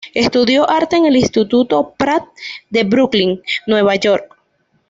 Estudió arte en el Instituto Pratt de Brooklyn, Nueva York.